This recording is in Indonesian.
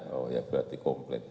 oh ya berarti komplit